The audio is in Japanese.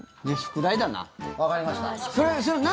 わかりました。